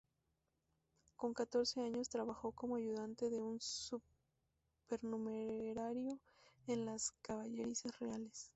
Con catorce años, trabajó como ayudante de un supernumerario en las caballerizas reales.